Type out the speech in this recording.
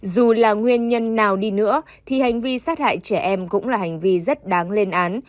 dù là nguyên nhân nào đi nữa thì hành vi sát hại trẻ em cũng là hành vi rất đáng lên án